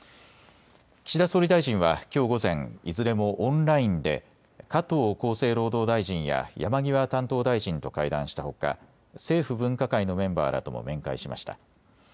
岸田総理大臣はきょう午前いずれもオンラインで加藤厚生労働大臣や山際担当大臣と会談したほか政府分科会のメンバーらとも面会しました。